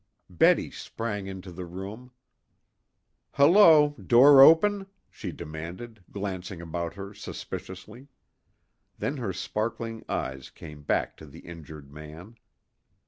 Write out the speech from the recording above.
Betty sprang into the room. "Hello, door open?" she demanded, glancing about her suspiciously. Then her sparkling eyes came back to the injured man.